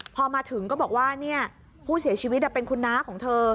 พอมาถึงก็บอกว่าผู้เสียชีวิตเป็นคุณน้าของเธอ